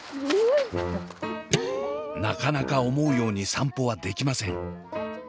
なかなか思うように散歩はできません。